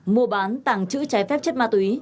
mua bán tàng trữ trái phép chất ma túy